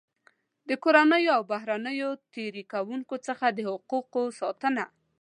د کورنیو او بهرنیو تېري کوونکو څخه د حقوقو ساتنه.